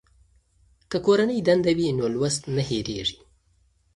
که کورنۍ دنده وي نو لوست نه هېریږي.